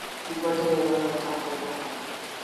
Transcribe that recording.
ڪُوڀٽ ري وڻ رآ جآم ڦآئيدآ اهيݩ۔